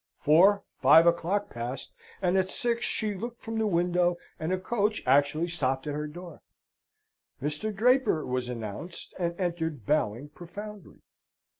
Four five o'clock passed, and at six she looked from the window, and a coach actually stopped at her door. "Mr. Draper" was announced, and entered bowing profoundly.